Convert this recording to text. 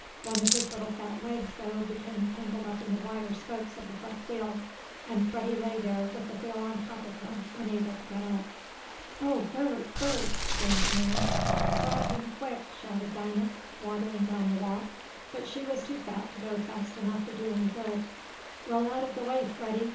One of his little fat legs, though, became tangled up in the wire spokes of the front wheel, and Freddie lay there, with the wheel on top of him, unable to get up. "Oh, Bert! Bert!" screamed Nan. "Grab him quick!" shouted Dinah, waddling down the walk. But she was too fat to go fast enough to do any good. "Roll out of the way, Freddie!"